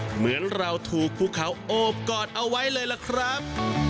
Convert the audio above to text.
เหมือนเราถูกภูเขาโอบกอดเอาไว้เลยล่ะครับ